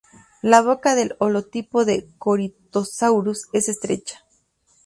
La boca del holotipo de Corythosaurus es estrecha.